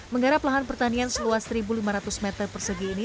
menggarap lahan pertanian seluas satu lima ratus meter persegi ini